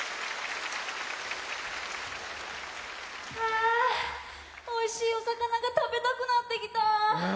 あぁおいしいおさかなが食べたくなってきた。